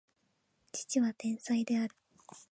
父は天才である